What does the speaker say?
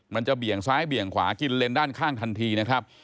เบี่ยงซ้ายเบี่ยงขวากินเลนด้านข้างทันทีนะครับ